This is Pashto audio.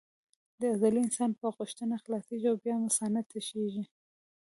دا عضلې د انسان په غوښتنه خلاصېږي او بیا مثانه تشېږي.